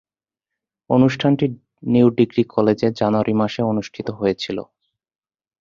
অনুষ্ঠানটি new degree কলেজে জানুয়ারি মাসে অনুষ্ঠিত হয়েছিলো।